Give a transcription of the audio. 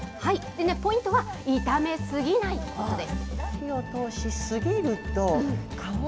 ポイントは炒め過ぎないことです。